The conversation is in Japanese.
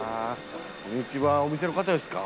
こんにちはお店の方ですか？